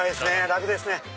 楽ですね。